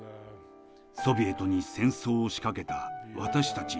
ソビエトに戦争を仕掛けた私たち